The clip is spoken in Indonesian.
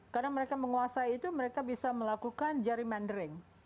karena mereka menguasai itu mereka bisa melakukan gerrymandering